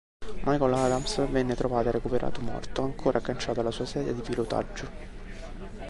Michael Adams venne trovato e recuperato morto ancora agganciato alla sua sedia di pilotaggio.